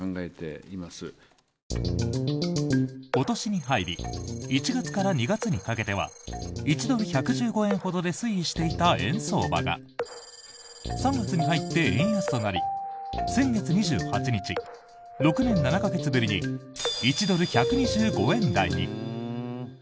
今年に入り１月から２月にかけては１ドル＝１１５円ほどで推移していた円相場が３月に入って円安となり先月２８日、６年７か月ぶりに１ドル＝１２５円台に。